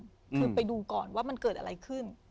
คือไปดูก่อนว่ามันเกิดอะไรขึ้น